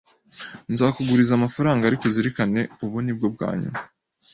Nzakuguriza amafaranga, ariko uzirikane, ubu ni bwo bwa nyuma.